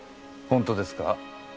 本当ですか？